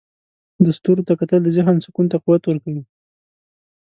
د ستورو ته کتل د ذهن سکون ته قوت ورکوي.